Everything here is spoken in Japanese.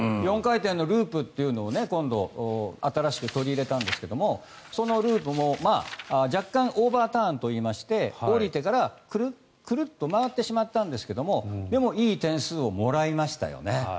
４回転のループというのを今度、新しく取り入れたんですがそのループも若干オーバーターンといいまして降りてからクルックルッと回ってしまったんですがでもいい点数をもらいましたよね。